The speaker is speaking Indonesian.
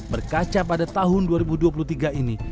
berkaca pada tahun dua ribu dua puluh tiga ini